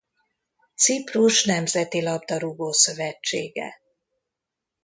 Ciprus nemzeti labdarúgó-szövetsége.